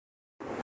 Hausa